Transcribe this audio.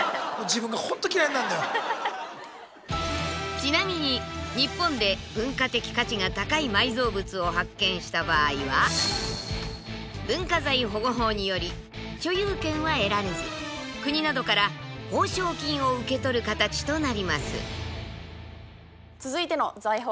ちなみに日本で文化的価値が高い埋蔵物を発見した場合は文化財保護法により所有権は得られず国などから報奨金を受け取る形となります。